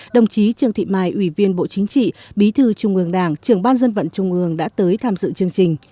đồng chí trương thị mai ủy viên bộ chính trị bí thư trung ương đảng trưởng ban dân vận trung ương đã tới tham dự chương trình